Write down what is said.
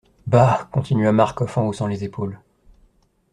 Bah ! continua Marcof en haussant les épaules.